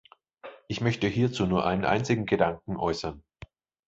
Ich möchte hierzu nur einen einzigen Gedanken äußern.